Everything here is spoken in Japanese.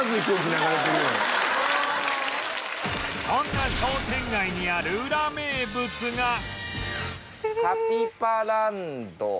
そんな商店街にあるウラ名物が